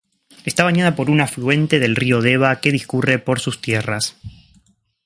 Está bañada por un afluente del río Deva que discurre por sus tierras.